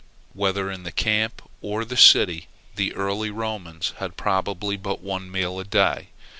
Whether in the camp or the city, the early Romans had probably but one meal in a day.